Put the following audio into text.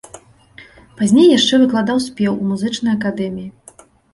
Пазней яшчэ выкладаў спеў у музычнай акадэміі.